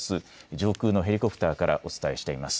上空のヘリコプターからお伝えしています。